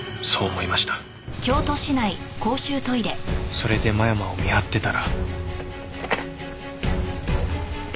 それで間山を見張ってたら。